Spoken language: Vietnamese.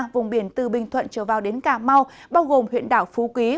vùng biển từ bình thuận trở vào đến cà mau bao gồm huyện đảo phú quý